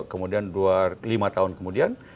kemudian dua lima tahun kemudian